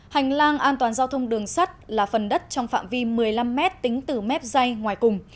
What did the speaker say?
hành lang an toàn giao thông đường sắt là phần đất trong phạm vi một mươi năm m tính từ mép dây ngoài cùng